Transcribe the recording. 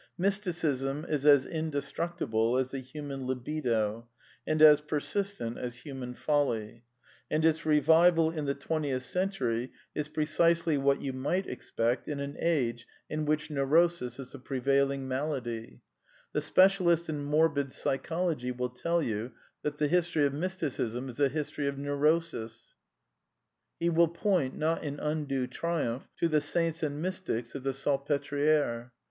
Mysticism is as indestruct I ible as the human libido, and as persistent as human folly ;\ and its revival in the twentieth century is precisely what 252 A DEFENCE OF IDEALISM you might expect in an age in which neuroBisis the pre vailing malady. The specialist in morbid psychology will tell you that the history of Mysticism is a history of neu rosis.^ He will point, not in undue triumph, to the saints and mystics of the Salpetriere.